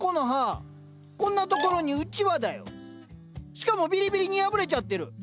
しかもビリビリに破れちゃってる。